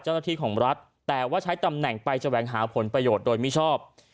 เจ้าหน้าที่ของรัฐแต่ว่าใช้ตำแหน่งไปแสวงหาผลประโยชน์โดยมิชอบ